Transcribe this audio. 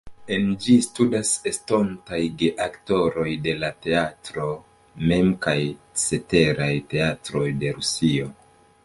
En ĝi studas estontaj geaktoroj de la teatro mem kaj ceteraj teatroj de Rusio.